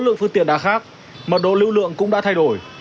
lượng phương tiện đã khác mật độ lưu lượng cũng đã thay đổi